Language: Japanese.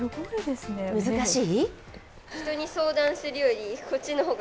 難しい？